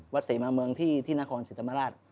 วัดเซมาเมืองที่นครเศรษฐมราช